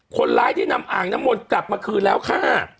คนร้ายที่นำอ่างน้ำมนต์กลับมาคืนแล้วค่ะ